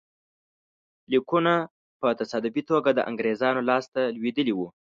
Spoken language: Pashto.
لیکونه په تصادفي توګه د انګرېزانو لاسته لوېدلي وو.